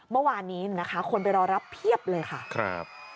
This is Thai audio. เมื่อวานนี้นะคะคนไปรอรับเพียบเลยค่ะครับ